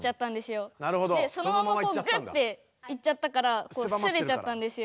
でそのままこうグッていっちゃったからすれちゃったんですよ。